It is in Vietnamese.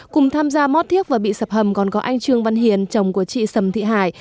cùng tham gia mót thiếc và bị sập hầm còn có anh trương văn hiền chồng của chị sầm thị hải